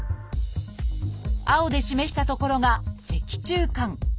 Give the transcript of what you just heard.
青で示した所が脊柱管。